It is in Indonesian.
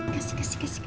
kasih kasih kasih